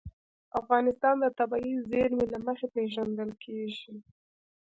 افغانستان د طبیعي زیرمې له مخې پېژندل کېږي.